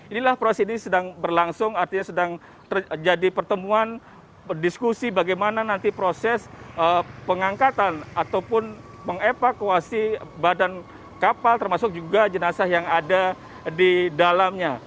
inilah proses ini sedang berlangsung artinya sedang terjadi pertemuan diskusi bagaimana nanti proses pengangkatan ataupun mengevakuasi badan kapal termasuk juga jenazah yang ada di dalamnya